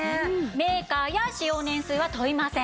メーカーや使用年数は問いません。